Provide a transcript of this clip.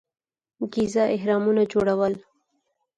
ګیزا اهرامونه جوړول.